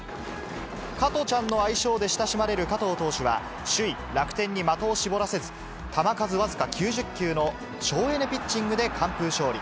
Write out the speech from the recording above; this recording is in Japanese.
カトちゃんの愛称で親しまれる加藤投手は、首位楽天に的を絞らせず、球数僅か９０球の省エネピッチングで完封勝利。